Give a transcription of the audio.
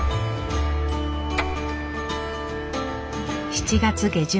７月下旬。